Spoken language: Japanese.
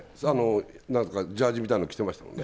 なんかジャージみたいの着てましたもんね。